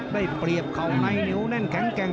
ได้เปรียบเขาในนิ้วแน่นแข็ง